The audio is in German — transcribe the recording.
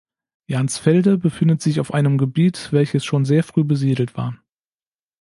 Jahnsfelde befindet sich auf einem Gebiet, welches schon sehr früh besiedelt war.